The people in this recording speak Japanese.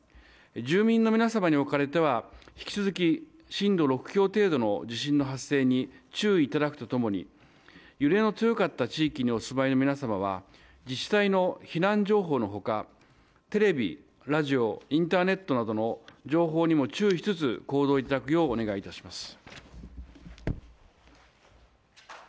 住民の皆様におかれては引き続き震度６強程度の地震に注意いただくとともに、揺れの強かった地域にお住まいの皆さんは自治体の避難情報のほか、テレビ、ラジオ、インターネットなどの情報にも注意しつつ行動いただくようお願いします。